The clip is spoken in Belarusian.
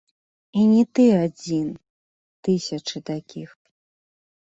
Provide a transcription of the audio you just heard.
І не ты адзін, тысячы такіх.